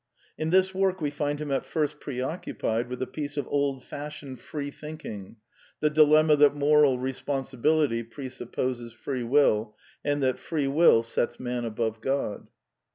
In this work we find him at first preoccupied with a piec^ of old fashioned f reethinking : the dilemma that moral responsibility presupposes free will, and that free will sets man above God.